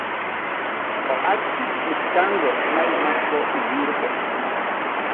O acci ettango na’i makko wirɓe.